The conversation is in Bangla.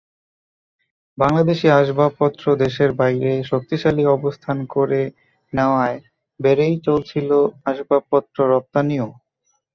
বাংলাদেশি আসবাবপত্র দেশের বাইরে শক্তিশালী অবস্থান করে নেওয়ায় বেড়েই চলছিল আসবাবপত্র রপ্তানিও।